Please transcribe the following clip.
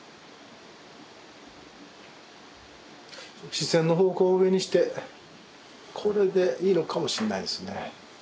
視線の方向を上にしてこれでいいのかもしんないですね。